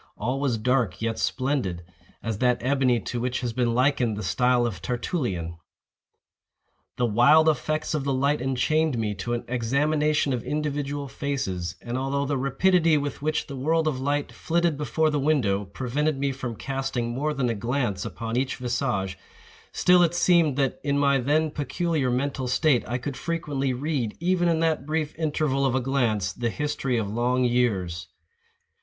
All was dark yet splendid—as that ebony to which has been likened the style of Tertullian. The wild effects of the light enchained me to an examination of individual faces; and although the rapidity with which the world of light flitted before the window, prevented me from casting more than a glance upon each visage, still it seemed that, in my then peculiar mental state, I could frequently read, even in that brief interval of a glance, the history of long years.